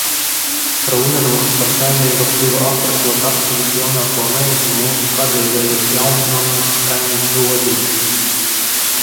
Rūnanos par saimnieku kļuva apprecot Apsīšu jaunāko meitu, mūsu kādreizējais Jaunannas kaimiņš Roziņš.